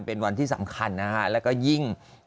เป็นวันที่สำคัญนะฮะแล้วก็ยิ่ง